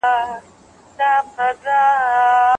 که انسان تل په منډه وي نو خپل ځان هیروي.